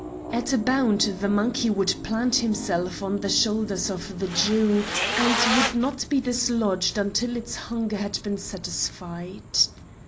At a bound the monkey would plant himself on the shoulders of the Jew, and would not be dislodged until its hunger had been satisfied.